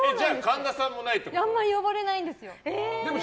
あんまり呼ばれないんです。